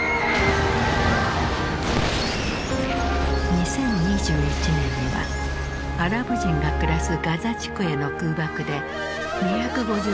２０２１年にはアラブ人が暮らすガザ地区への空爆で２５６人が亡くなった。